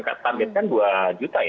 ketamit kan dua juta ya